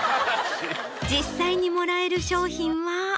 実際にもらえる商品は。